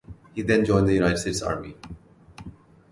He then joined the United States Army.